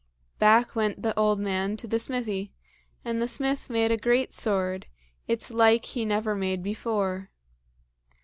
Back went the old man to the smithy; and the smith made a great sword, its like he never made before.